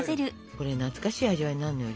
これ懐かしい味わいになるのよ